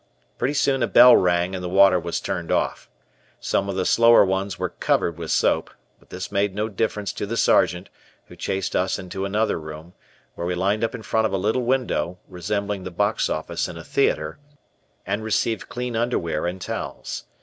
Pretty soon a bell rang and the water was turned off. Some of the slower ones were covered with soap, but this made no difference to the Sergeant, who chased us into another room, where we lined up in front of a little window, resembling the box office in a theater, and received clean underwear and towels.